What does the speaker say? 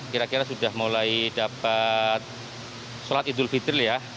kira kira sudah mulai dapat sholat idul fitri ya